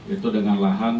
itu dengan lahan